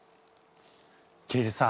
刑事さん。